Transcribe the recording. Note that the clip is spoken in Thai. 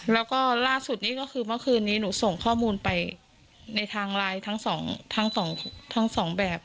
แล้วก็ล่าสุดนี้ก็คือเมื่อคืนนี้หนูส่งข้อมูลไปในทางไลน์ทั้งสองทั้งสองแบบ